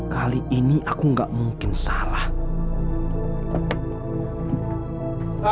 mano tidak tahu siapa itu